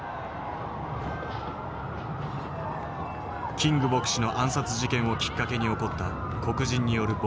キング牧師の暗殺事件をきっかけに起こった黒人による暴動である。